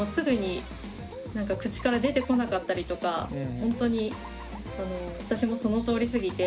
ほんとに私もそのとおりすぎて。